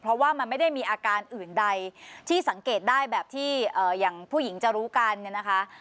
เพราะว่ามันไม่ได้มีอาการอื่นใดที่สังเกตได้แบบที่อย่างผู้หญิงจะรู้กันเนี่ยนะคะ